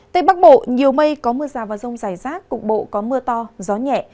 tây bắc bộ nhiều mây có mưa rào và rông dài rác cục bộ có mưa to gió nhẹ